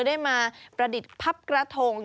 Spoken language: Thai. ได้มาประดิษฐ์พับกระทง